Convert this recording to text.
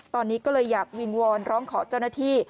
ตอนนี้ก็เลยอยากวิงวอนร้องขอเจ้าหน้าที่